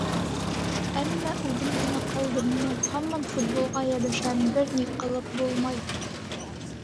Әммә, үҙем генә ҡалдыммы, һаман футболға йәбешәм, бер ни ҡылып булмай.